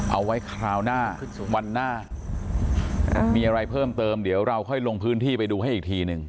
เอาไว้คราวหน้าวันหน้ามีอะไรเพิ่มเติมเดี๋ยวเราค่อยลงพื้นที่ไปดูให้อีกทีหนึ่ง